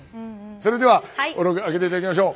それでは小野くん開けて頂きましょう。